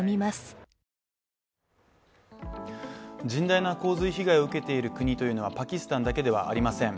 甚大な洪水被害を受けている国というのはパキスタンだけではありません。